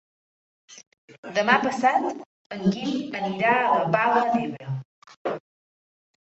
Demà passat en Guim anirà a la Palma d'Ebre.